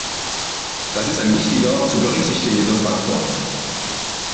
Dies ist ein wichtiger, zu berücksichtigender Faktor.